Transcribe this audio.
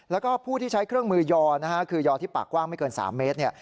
แล้วก็ผู้ที่ใช้เครื่องมือยอนะฮะคือยอที่ปากกว้างไม่เกิน๓เมตรเนี่ย